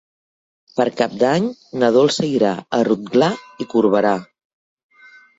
Per Cap d'Any na Dolça irà a Rotglà i Corberà.